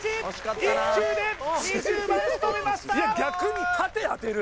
１球で２０番しとめました！